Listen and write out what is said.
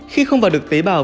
khi không vào được tế bào